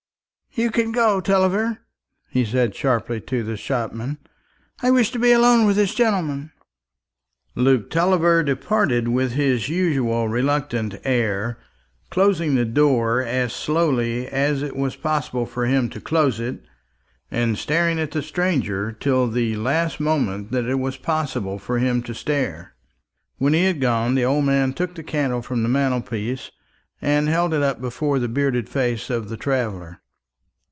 "You can go, Tulliver," he said sharply to the shopman. "I wish to be alone with this gentleman." Luke Tulliver departed with his usual reluctant air, closing the door as slowly as it was possible for him to close it, and staring at the stranger till the last moment that it was possible for him to stare. When he was gone the old man took the candle from the mantelpiece, and held it up before the bearded face of the traveller.